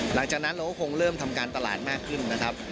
หลังจากนั้นเราก็คงเริ่มทำการตลาดมากขึ้นนะครับ